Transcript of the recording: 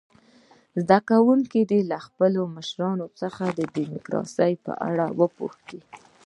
زده کوونکي دې له خپلو مشرانو څخه د ډموکراسۍ په اړه وپوښتي.